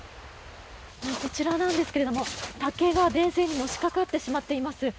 こちらなんですけども竹が電線にのしかかってしまっています。